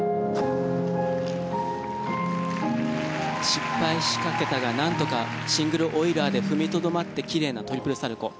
失敗しかけたがなんとかシングルオイラーで踏みとどまって奇麗なトリプルサルコウ。